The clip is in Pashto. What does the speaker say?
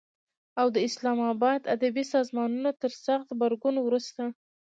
او د اسلام آباد ادبي سازمانونو تر سخت غبرګون وروسته